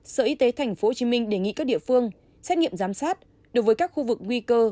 sở y tế tp hcm đề nghị các địa phương xét nghiệm giám sát đối với các khu vực nguy cơ